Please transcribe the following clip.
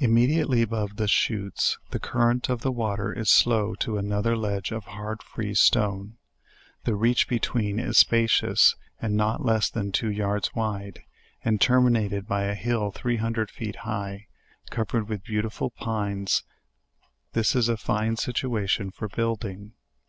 Immediately above the Chuttes, the current of the water is slow to another ledge of hard free stone; the reach be tween is spacious and not less than two yards wide, and ter minated by a hill three hundred feet high, covered with beau tiful pines: this is a fine situation for building.